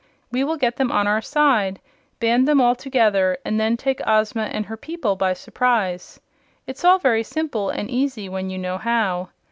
We will get them on our side, band them all together, and then take Ozma and her people by surprise. It's all very simple and easy when you know how.